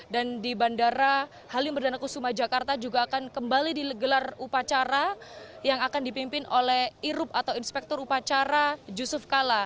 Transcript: dan di bandara halimerdana kusuma jakarta juga akan kembali digelar upacara yang akan dipimpin oleh irup atau inspektor upacara yusuf kala